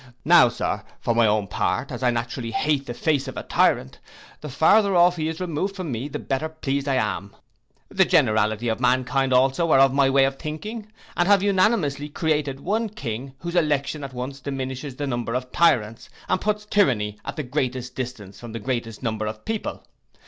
Now, Sir, for my own part, as I naturally hate the face of a tyrant, the farther off he is removed from me, the better pleased am I. The generality of mankind also are of my way of thinking, and have unanimously created one king, whose election at once diminishes the number of tyrants, and puts tyranny at the greatest distance from the greatest number of people.